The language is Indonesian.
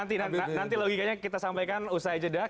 nanti logikanya kita sampaikan usai jeda